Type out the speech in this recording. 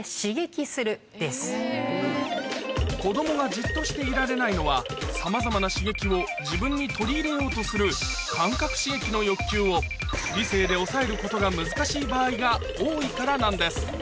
子供がジッとしていられないのはさまざまな刺激を自分に取り入れようとする感覚刺激の欲求を理性で抑えることが難しい場合が多いからなんです